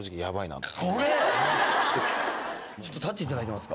ちょっと立っていただけますか。